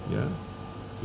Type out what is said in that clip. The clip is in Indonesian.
yang lebih berarti